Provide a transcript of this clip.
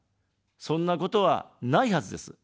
そんなことはないはずです。